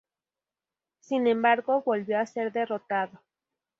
Sin embargo, volvió a ser derrotado.